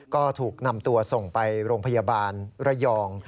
ก็ถูกนำตัวส่งไปโรงพยาบาลระยอง